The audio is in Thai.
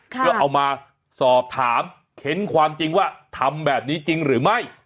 เพื่อเอามาสอบถามเค้นความจริงว่าทำแบบนี้จริงหรือไม่